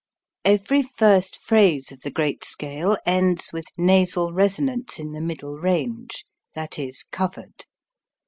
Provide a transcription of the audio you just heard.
Every first phrase of the great scale ends with nasal resonance in the middle range, that is, covered.